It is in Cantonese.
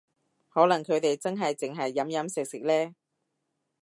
可能佢哋真係淨係飲飲食食呢